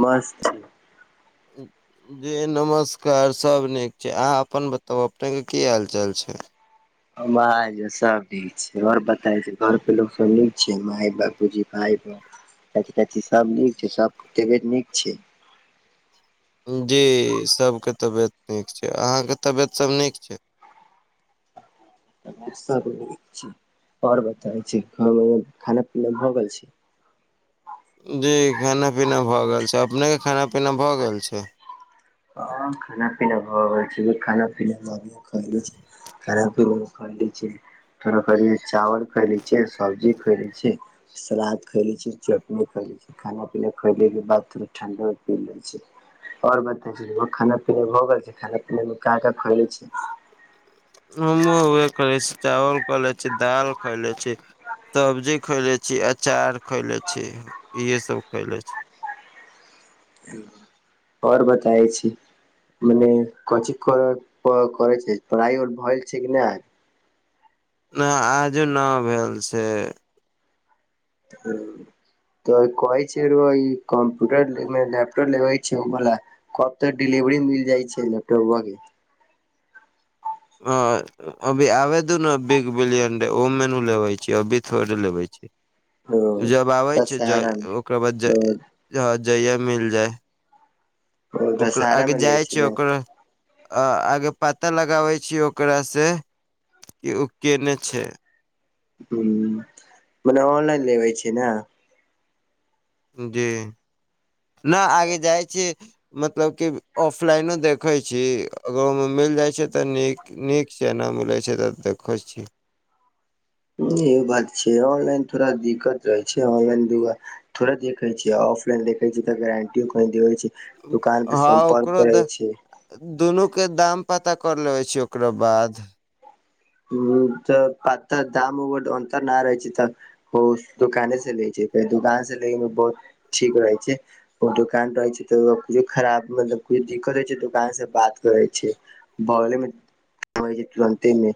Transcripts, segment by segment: मस्त [inaudible] जी नमस्कार, सभ नीक छै। अहाँ अपन बताउ, अपनेकेँ की हाल चाल छै? [unintelligible] सभ ठीक छै। आओर बताउ, घरक लोक सभ नीक छै? माय बापूजी, पाय बाप सभ? कथी की, सभ नीक छै, सभकेँ देबे नीक छै। जी सबके तबियत नीक छै अहाँके तबियत सब नीक छै सब नीक छै ओर बताब छी खाना पीना भऽ गेल छै जी खाना पीना भए गेल छै अपने के खाना पीना भए गेल छै हँ खाना पीना भऽ गेल छै खाना पीना खान पि छियै थोड़ कर चावल खैले छियै सब्जी खैले छ सलाद खाए लै छै चटनी खय लै छी खाना पीना खयलेके बाद थोड़ा ठण्डा पी लै छी ओर बताइ रौआ खाना पीना भ गेल छै खाना पीना मे क खोले छी मोमो उए खे छी चावल खैले छी दाल खैले छी सब्जी खयले छी अचार खैले छी इहे सब खयले छी और बतायै छी मने कथि कर करै छै पढ़ाई ओर भयल छै कि नहि आय नहि आज न भेल छै [unintelligible] तऽ कहै छैर कम्प्यूटर लैपटॉप लेबै छै बोला कब तक डिलिवरी मिल जाइ छै लैपटॉप के ह अभी आबे दू ने बिग बिलियन डे ओ मेनू लेबै छी अभी थोड़े लेबै छी ओ जब आबै छै ज दशहरा मे ओकरा बाद ओ ह जइया मिल जाय ओ ओकर दशहरा मे आगे लै जाइ छै ने ओकर अ आगे पता लगाबे छी ओकरा से कि उ केने छै ह मने ऑनलाइन लेबे छै ने जी नहि आगे जाइ छी मतलब कि ऑफलाइनो देखैत छी अगर ओहिमे मिल जाइत छै तऽ नीक नीक छै न मिलै छै तऽ देखैत छियै ह ए बात छै ऑनलाइन थोड़ा दिक्कत रहै छै ऑनलाइन द थोड़ा देखे छियै ऑफलाइन देखे छी तऽ गारंटियो कही देे छै दुकान पे हँ सम्पर्क ओकरो करै द छी दुनू के दाम पता कर लेबे छी ओकरा बाद हं दाम उड अन्तर नहि रह छै तऽ ओ दुकाने से ले छै त दुकान से ले मे बहुत ठीक रहै छै ओ दोकान रहे छै तऽ कुछो खराब मतलब कुछो दिक्कत होइ छै दुकान से बात करे छै बगले मे छै तुरन्ते मे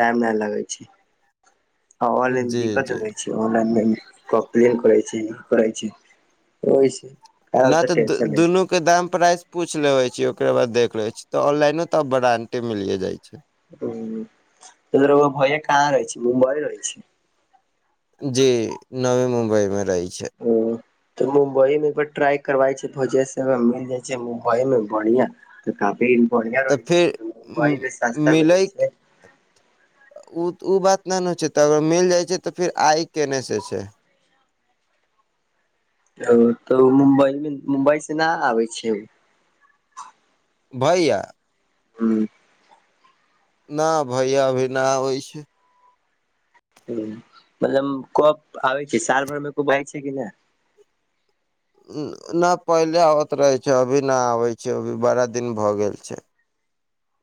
टाइम नहि लगे छै हाँ ओनलाइन जी दिक्त जी होइ छै ऑनलाइन मे कम्प्लेन करै छै ई करै छै ओइसे नऽ तऽ दु दुनू के दाम प्राइस पूछ लेबै छै ओकरा बाद देख ले छी तऽ ऑनलाइनो तऽ ब्रानंडे मिलिये जाय छै त रउआ भैया कहाँ रहै छै मुमबइ रहि छै जी नवी मुम्बई मे रहै छै ओ मुम्बई मे ट्राई करबा छै भोजे मिल जाइ छै मुम्बई मे बढ़िया तऽ काफी बढ़िया तऽ रहै फेर छै मुम्बाई मे सस्ता मिलै छै ओ ओ बात नहि ने होइ छै त मिल जाइ छै तऽ फेर आइ केने से छै ओ तऽ मुम्बइमे मुम्बई से न आबै छियै भैया ह्म न भैया अभी नहि आबै छै मतलब कप आबै छै साल भरि मे को बाजै छै कि नहि नहि पहिले आबैत रहै छै अभी नहि आबैत छै अभी बारा दिन भऽ गेल छै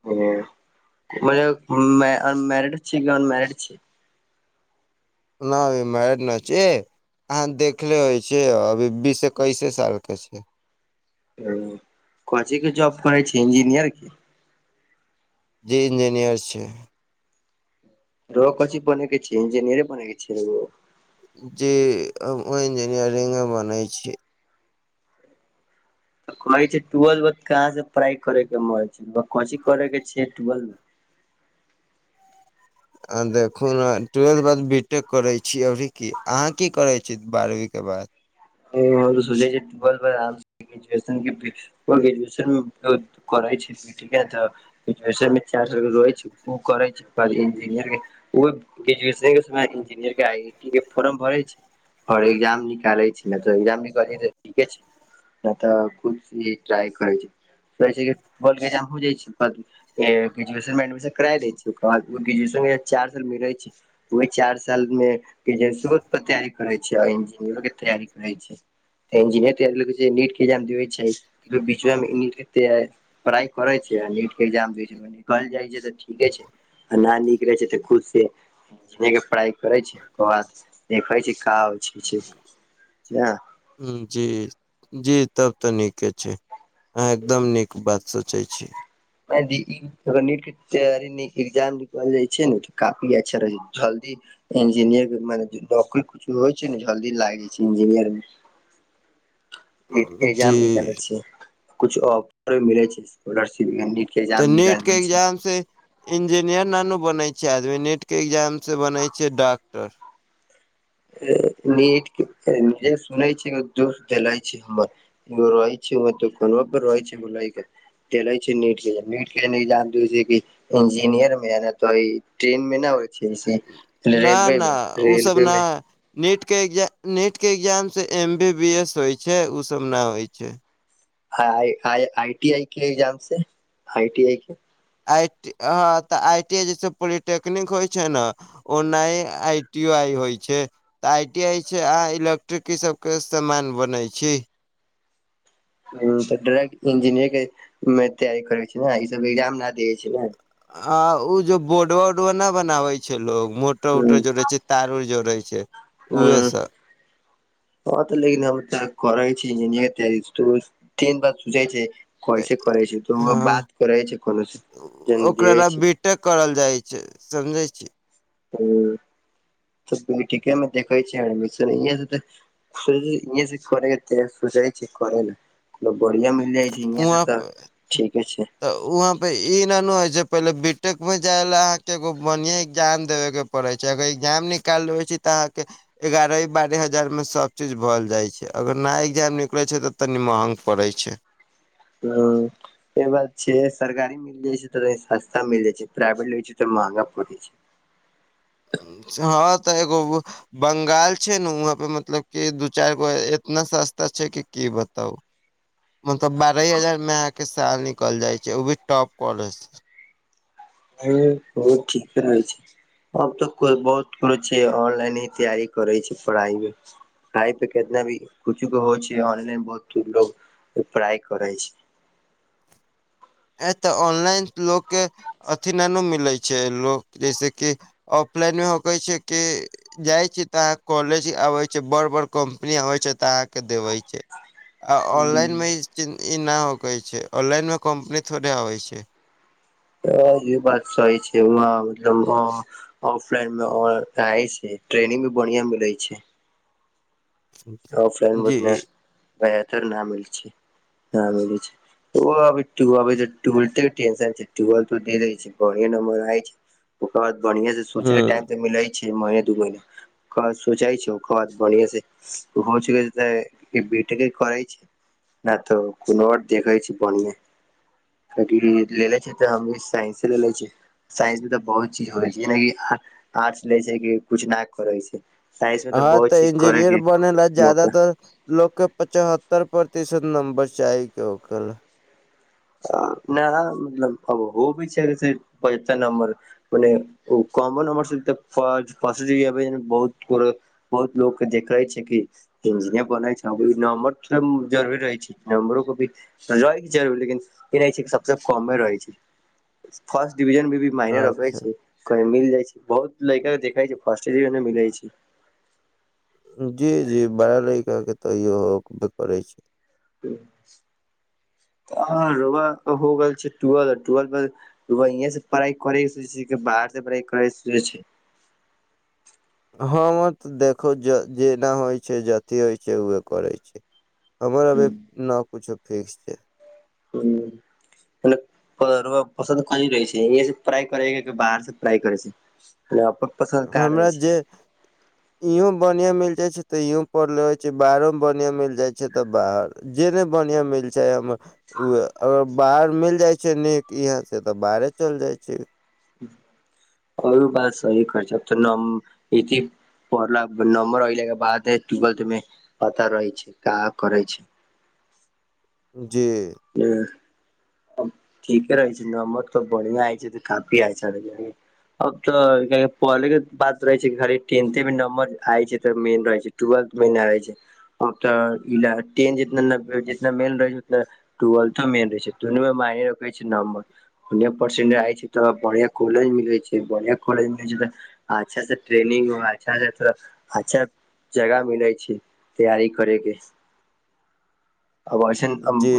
हुं म मैरिड छै कि अनमैरिड छी न अभी मैरिड ना छी अहाँ देख लेबे छी अभी बीसे एकैसे साल के छै ओ कोन चिज के जॉब करै छै इंजिनियर की जी इंजीनियर छै र कथी बनेकेय छे इंजीनियरी बनेके छियै जी हम इंजीनियरिंग बनै छीयै कह ट्वेल्व कहाँ से पढ़ाइ करे के मन छै की करे के छै ट्वेल्व मे आ देखू ने ट्वेल्थ बात बी टेक करै छी अभी की अहाँ की करै छी बारहवीके बाद ओ हर सुझे [unintelligible] ग्रेजुएशन ग्रेजुएशन करै छी ठीक है तऽ [unintelligible] [unintelligible] रहै छै ओ करै छै इंजीनियरिंग ओ ग्रेजुएशने के समय इंजीनियर के आईटी के फोर्म भरे छै आओर एग्जाम निकालै छै ने तऽ ए्जाम निकालै छै तऽ ठीके छै नहि तऽ कुछी ट्राइ करै छैै छै बोल हो जाइ छै ग्रेजुएशन मे एडमिशन करा ले छै ओकर बाद ग्रेजुएशन चार साल मिले छै ओहि चार साल मे केजेंस पर तैयारी करे छै इंजीनियरो के तैयारी रह इंजिनियरट के दे छै बीच [unintelligible] पढ़ाई करै छै नीट के एग्जाम द छै निकल जाइ छै त ठीके छै आ ना नीकले छै तऽ खुद से के पढ़ाई करै छै ओकर बाद देखै छै का हो छै या हुँ जी जी तब तऽ नीके छै अहाँ एकदम नीक बात सोचै छी [unintelligible] नीट के ती ए्जाम निकल जाइ छै ने तऽ काफी अच्छा रहै छै जल्दी इंजीनियर मने नौकरी कुछो होइ छै ने जल्दी लागै छै इंजीनियर मे जी ए्जाम निकालै छै कुछ ऑफर मिले छै स्कॉलरशिप मे तऽ नीट के एग्जाम से इंजीनियर नानू बनै छै आदमी नेट के एग्जाम से बनै छै डॉक्टर नीट जे सुनै छै दुष देलइ छै हमर ओ रहइ छै ओ तऽ कोन बर रहै छै [unintelligible] तेलै छै नीट के मीट के जै [unintelligible] इंजीनियर मे आ न तो इ ट्रेन मे न हो से रेलवे मे रेलवे मे नीटके एग्जाम नीटके एग्जामसे एम बी बी एस होइ छै ओ सब ना होइ छै आ आइ आइटी के इक्जाम से आइटी आइ के आइ ह तऽ आई टी जैसे पोलिटेक्निक होइ छै न ओनाहि आइ टी आइ होइ छै तऽ आई टी आइ छै अहाँ इलेक्ट्रिक ई सबके सामान बनै छी हूं तऽ डाइरेक्ट इंजीनियरंग के मे तैयारी करै छै उहे ई सब एग्जाम न दै छै उहे आ ओ जे बोर्ड उडवा न बनाबे छै लोग मो टो हूं उटो जोड़ै छै तार उड़ जोड़ै छै उहे हूं सब हँ तऽ लेकिन हमर तऽ करइ छी इन्जिनियरिंग के तैयारी तीन बार सूझै छै कैसे करै छै तऽ हँ बात करै छै कोनो से जन ओकरा दियै ला छै बीटेक करल जाइ छै समझै छी ह त ठीके देखै छी तऽ [unintelligible] इ से कर सोचै छी करै ने लोक बढ़िया मिलै छै यहं से वहाँ तऽ पे ठीके छै तऽ वहाँपे ई नहि ने होइ छै पहिले बी टेकमे जाइ लए अहाँके एगो बढ़ियाॅं एग्जाम देबैके पढै छै अगर एग्जाम निकाल ले छै तऽ अहाँके एगारहे बारहे हजारमे सब चीज भ जाइ छै अगर ना एग्जाम निकलै छै तऽ तनि महंग पड़ै छै हँ ई बात छै सरकारी मिल जाय छै त सस्ता मिल जाय छै प्राइवेट ल छै त महगा पड़ै छै हँ तऽ एगो बंगाल छै ने वहाँ पे मतलब कि दू चारि गो इतना सस्ता छै कि की बताउ मतलब बारहे हजार में अहाँ के साल निकल जाय छै ओ भी टॉप कॉलेज से ह बहुत ठीक कर छै अब तऽ कोइ बहुत काॅलेज छै ऑनलाइन ही तैयारी करै छै प्राइवेट से पढाइ पे कितना भी कुछु के होइ छै ऑनलाइन बहुत लोग पढाइ करै छै ए तऽ ऑनलाइन लोकके अथी नउ न मिलै छै लोक जैसेकि ऑफलाइनमे हम कहै छियै कि जाइ छियै तऽ अहाँ कॉलेज अबे छै बड़ बड़ कंपनी आबै छै तऽ अहाँके देवै छै आ छै ऑनलाइन मे ई च ई न होखै छै ऑनलाइन मे कम्पनी थोड़े अवै छै त जे बात सही छै ओमे मतलब ऑफलाइन मे छै ट्रेनिंग भी बढ़िया मिलै छै ऑफलाइन जी बतने भायतर न मिल छै ना मिलै छै [unintelligible] छै बढ़िय नंबर आ छै औकाद बन्हिआ से सोचाय हँ टाइम त मिलय छै महिने दू महिने खाद सोचाय छै ओख बाद भनी छै हो च त ई बि ट करइ छै [unintelligible] ना तऽ कोनो आर देखै छी बनमे की ले ले छै तऽ हम साइन्स ले ले छै साइंस मे तऽ बहुत चीज होइ छै जेना कि आर्ट्स लै छै कि किछु ना करै छै साइंस मे हँ बहुत तऽ चीज करै इंजीनियर के बने ला मौका जादातर लोक के पचहत्तर प्रतिशत नम्बर चाही के ओकर ना मतलब अब हो भी छै पचहत्तर नम्बर माने ओ कमो नम्ब [unintelligible] र सा प बहुत बहुत लोकके देखै छै कि इंजीनियर बनै छै नम्बर जरुरी रहै छै नम्बरो को भी लेकिन [unintelligible] ई रहै छै सबस कमे रहै छै फर्स्ट डिविजन मे भी मायने रखै अच्छा छै कह मिल जाइ छै बहुत लड़का के देखे छै फर्स्ट डिजन मिलै छै जी जी बड़ा लड़का के तऽ इहो करै छै ह र‌उआ के हो गेल छै टूएल्थ मे उहो यही से पढ़ाइ करै के सोचै छै बाहर से पढ़ाइ करै सोचै छै हँ तऽ देखो जे जेना होइ छै ज अथी होइत छै उह करै छै हमर अभी न कुछो फिक्स छै हूँ पस कनी रहै छै फ्राय करै बाहर से फ्रााय करै छै नहि अपन पसन्द का रहै हमरा छै जे इहो बढ़िया मिल जाये छैे ते इहो पढ़लेे छैे बाहरों बढ़िया मिल जाय छै ते बाहर जे ने बढ़िया मिल छै उसे अ बाहर मिल जाइ छै नीक इहाँ से तऽ बाहरे चल जाइ छै अर बात सही कर छै तनम इजी पढ़ला नम्बर अइले के बाद टुऐलथ मे पता रहै छै का करै छै जी ह ठीके रहै छै नमद त बढ़िआ हइ छै तऽ काफी आइ अब तऽ पहले के बात रहे छै घी टेंन थे भी नम्बर आय छै तऽ मेन रहै छै टूएल्थ मे नहि रहै छै उ त टेनना जितना मेन रहै छै उना टूएल्थो मे रहै छै दुनू मे मायने रखै छै नम्बर परसेंट आय छै तऽ बढ़ियाँ कॉलेज मिलैत छै बढ़ियाँ कॉलेज मिलै छै तऽ अच्छा से ट्रेनिंग हो अच्छा से सब अच्छा जगा मिलै छै तैयारी करैके आ वैसन [unintelligible] जी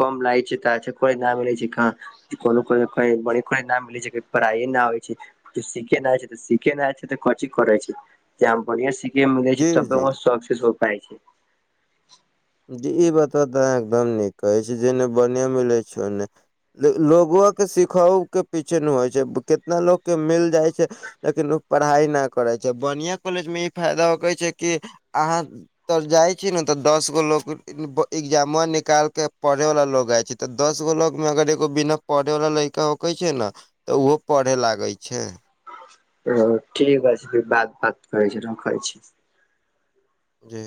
कम लागै छै तऽ अच्छा कोइ नहि मिलै छै कऽ कोनो को कोइ बड़े कोइ न मिलै छै पढ़ाइये न होइ छै तऽ सीखे नहि तऽ सीखे नहि छै तऽ कची करै छै त बढ़ियाँ सिख मिलै जी छै तबे जी सक्सेस हो पाय छै जी ई बतवा तऽ अहाँ एकदम नीक कहै छी जेने बढ़ियाँ मिलै छै ओन्ने लोगवा के सिखहु के पीछे न होइ छै कितना लोग के मिल जाय छै लेकिन ओ पढ़ाइ नहि करै छै बढ़ियाँ कॉलेज मे ई फायदा होखै छै कि अहाँ तर जाइ छी ने तऽ दस गो लोक एग्जामवा निकाल के पढ़े वाला लोग जाय छै ते दस गो लोग मे अगर एगो बिना पढ़े वाला लड़का होखै छै ने तऽ ओहो पढ़े लागै छै ओ ठीके छै फेर बात बात करै छी रखै छी जी